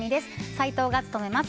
斉藤が務めます。